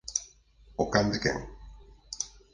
O can de quen?